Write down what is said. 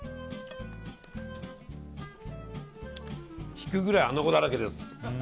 引くぐらいアナゴだらけです。